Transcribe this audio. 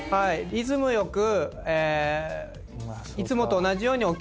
リズム良くいつもと同じように起きる。